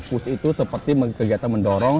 push itu seperti kegiatan mendorong